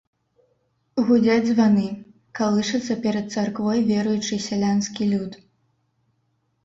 Гудзяць званы, калышацца перад царквой веруючы сялянскі люд.